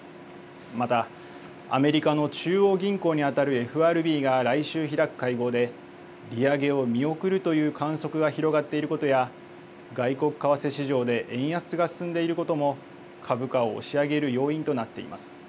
また、アメリカの中央銀行にあたるＦＲＢが来週開く会合で利上げを見送るという観測が広がっていることや外国為替市場で円安が進んでいることも株価を押し上げる要因となっています。